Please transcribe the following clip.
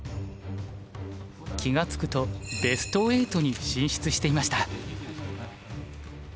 気が付くとベスト８に進出していました。